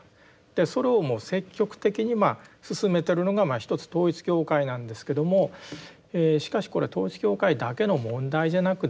それをもう積極的に進めてるのが一つ統一教会なんですけどもしかしこれ統一教会だけの問題じゃなくですね